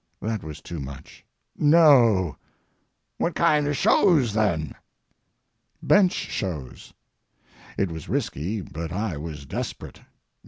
that was too much. "No." "What kind of shows, then?" "Bench shows." It was risky, but I was desperate.